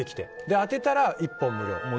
当てたら１本無料。